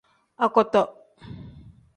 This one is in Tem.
Akoto.